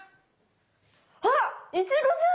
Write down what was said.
あっイチゴじゃん！